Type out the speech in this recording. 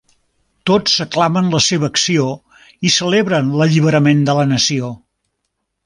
Tots aclamen la seva acció i celebren l'alliberament de la nació.